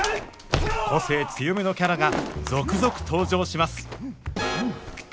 個性強めのキャラが続々登場します